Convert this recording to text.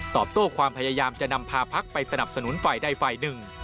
โต้ความพยายามจะนำพาพักไปสนับสนุนฝ่ายใดฝ่ายหนึ่ง